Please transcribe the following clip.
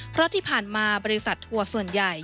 เพราะที่ผ่านมาบริษัททัวร์ส่วนใหญ่